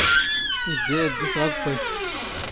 ⵉⴷⴷⴰ ⴰⴷ ⴷ ⵉⵙⵖ ⴰⴳⵯⴼⴰⵢ.